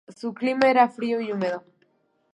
Su clima era frío y húmedo.